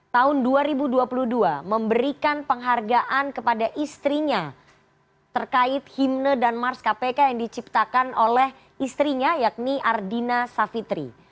tahun dua ribu dua puluh dua memberikan penghargaan kepada istrinya terkait himne dan mars kpk yang diciptakan oleh istrinya yakni ardina savitri